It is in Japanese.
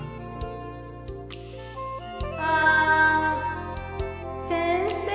あん先生。